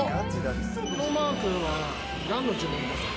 このマークは何の呪文ですか？